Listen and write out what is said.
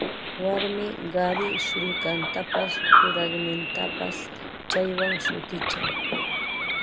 Warmi qari sullkantapas kuraqnintapas chaywan sutichan